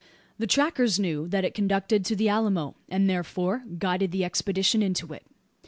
The trackers knew that it conducted to the Alamo; and, therefore, guided the expedition into it.